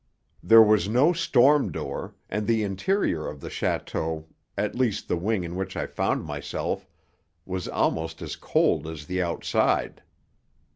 There was no storm door, and the interior of the château at least, the wing in which I found myself was almost as cold as the outside.